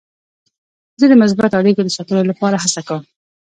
زه د مثبتو اړیکو د ساتلو لپاره هڅه کوم.